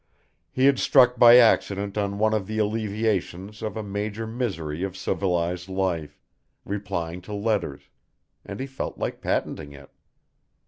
He had struck by accident on one of the alleviations of a major misery of civilized life, replying to Letters, and he felt like patenting it.